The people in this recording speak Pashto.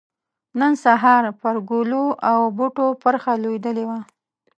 نن سحار پر ګلو او بوټو پرخه لوېدلې وه